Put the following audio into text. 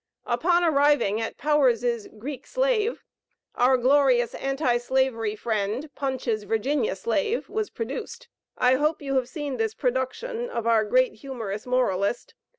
Upon arriving at Powers' Greek Slave, our glorious anti slavery friend, Punch's 'Virginia Slave' was produced. I hope you have seen this production of our great humorous moralist.